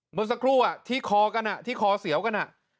เหมือนสักครู่ที่คอเสียวกัน